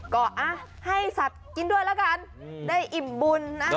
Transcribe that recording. ก็ให้สัตว์กินด้วยแล้วกันได้อิ่มบุญนะ